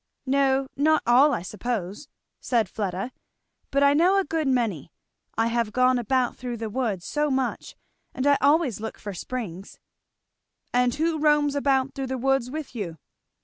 "No, not all, I suppose," said Fleda, "but I know a good many. I have gone about through the woods so much, and I always look for the springs." "And who roams about through the woods with you?"